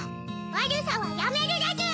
わるさはやめるでちゅ！